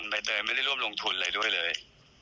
ใบเตยไม่ได้ร่วมลงทุนอะไรด้วยเลย